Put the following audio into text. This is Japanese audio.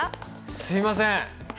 すみません。